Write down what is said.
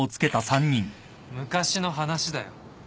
昔の話だよ。